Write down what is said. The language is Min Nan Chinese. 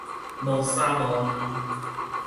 無三無兩